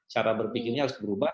cara berpikirnya harus berubah